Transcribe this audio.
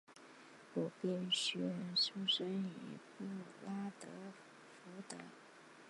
鲁宾逊出生于布拉德福德。